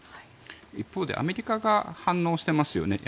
一方でアメリカが反応していますよね。